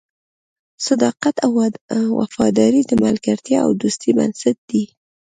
صداقت او وفاداري د ملګرتیا او دوستۍ بنسټ دی.